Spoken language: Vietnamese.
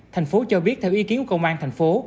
thành phố cho biết theo ý kiến của công an thành phố